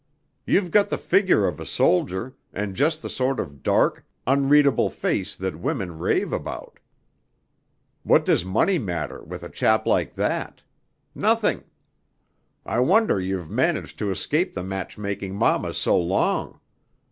You've got the figure of a soldier, and just the sort of dark, unreadable face that women rave about. What does money matter with a chap like that? Nothing. I wonder you've managed to escape the matchmaking mammas so long.